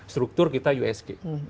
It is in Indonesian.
struktur kita usg